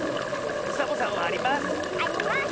サボさんはあります！